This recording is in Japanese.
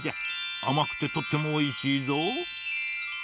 あまくてとってもおいしいぞ。